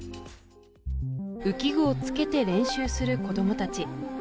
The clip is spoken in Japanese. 浮き具をつけて練習する子供たち。